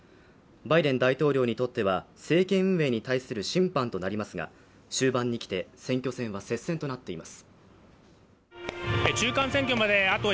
バイデン大統領にとっては政権運営に対する審判となりますが終盤にきて選挙戦は接戦となっています